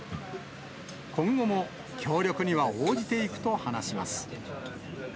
今後も協力には応じていくと話します。